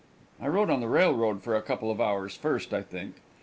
I rode on the railroad for a couple of hours first, I think.